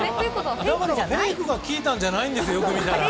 だから、フェイクが効いたんじゃないんです、よく見たら。